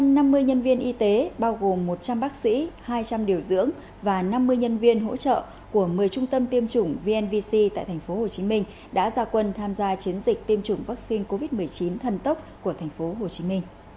một trăm năm mươi nhân viên y tế bao gồm một trăm linh bác sĩ hai trăm linh điều dưỡng và năm mươi nhân viên hỗ trợ của một mươi trung tâm tiêm chủng vnvc tại tp hcm đã ra quân tham gia chiến dịch tiêm chủng vaccine covid một mươi chín thân tốc của tp hcm